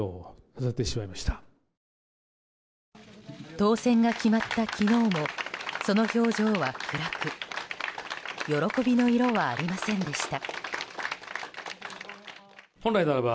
当選が決まった昨日もその表情は暗く喜びの色はありませんでした。